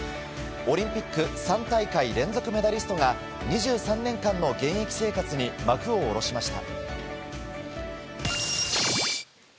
オリンピック３大会連続メダリストが２３年間の現役生活に幕を下ろしました。